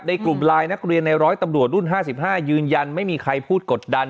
กลุ่มไลน์นักเรียนในร้อยตำรวจรุ่น๕๕ยืนยันไม่มีใครพูดกดดัน